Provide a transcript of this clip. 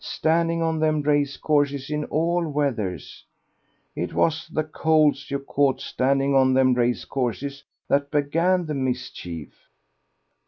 Standing on them race courses in all weathers; it was the colds you caught standing on them race courses that began the mischief."